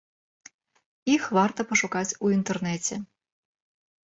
Іх варта пашукаць у інтэрнэце.